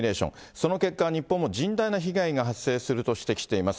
その結果、日本も甚大な被害が発生すると指摘しています。